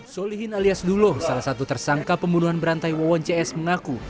solihin alias duloh salah satu tersangka pembunuhan berantai wawon cs mengaku